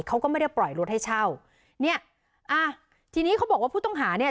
เขาก็ไม่ได้ปล่อยรถให้เช่าเนี้ยอ่าทีนี้เขาบอกว่าผู้ต้องหาเนี่ย